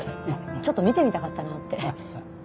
ちょっと見てみたかったなって。